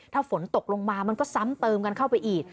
ถ้าฝนตกลงมามันก็ซ้ำเติมกันเข้าไปอีก